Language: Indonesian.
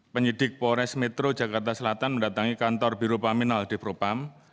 penyidik polres metro jakarta selatan mendatangi kantor biro paminal di propam